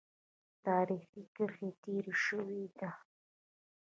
تاریخي کرښه تېره شوې ده.